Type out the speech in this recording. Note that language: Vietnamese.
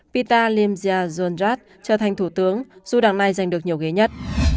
pita limzia zondrat trở thành thủ tướng dù đảng này giành được nhiều ghế nhất